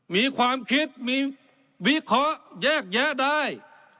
มีความคิดมีวิเคราะห์แยกแยะได้